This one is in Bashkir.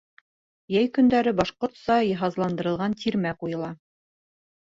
Йәй көндәре башҡортса йыһазландырылған тирмә ҡуйыла.